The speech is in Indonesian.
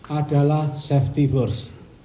adalah safety first